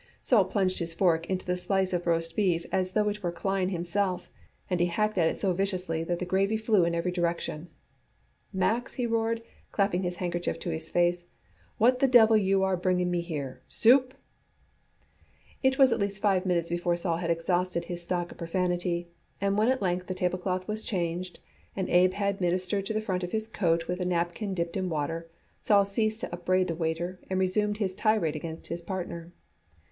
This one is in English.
Sol plunged his fork into the slice of roast beef as though it were Klein himself, and he hacked at it so viciously that the gravy flew in every direction. "Max," he roared, clapping his handkerchief to his face, "what the devil you are bringing me here soup?" It was at least five minutes before Sol had exhausted his stock of profanity, and when at length the tablecloth was changed and Abe had ministered to the front of his coat with a napkin dipped in water, Sol ceased to upbraid the waiter and resumed his tirade against his partner.